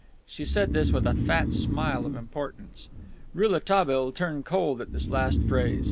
She said this with a fat smile of importance. Rouletabille turned cold at this last phrase.